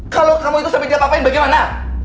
kalau kamu itu sampai dia apa apain bagaimana